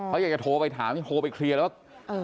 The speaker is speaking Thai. เขาอยากจะโทรไปถามโทรไปเคลียร์แล้วว่า